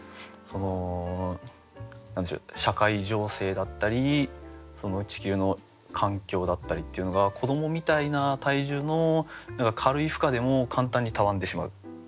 その社会情勢だったり地球の環境だったりっていうのが子どもみたいな体重の軽い負荷でも簡単にたわんでしまう。